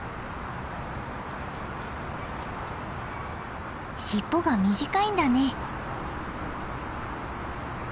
尻尾が短いんだね。